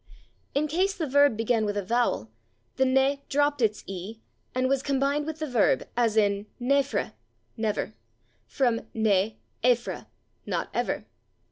In case the verb began with a vowel the /ne/ dropped its /e/ and was combined with the verb, as in /naefre/ (never), from /ne aefre/ (=/not ever